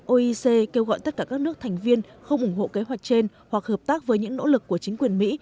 oec kêu gọi tất cả các nước thành viên không ủng hộ kế hoạch trên hoặc hợp tác với những nỗ lực của chính quyền mỹ